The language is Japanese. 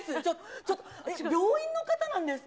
ちょっと、病院の方なんですか？